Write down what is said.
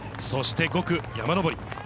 そして５区山登り。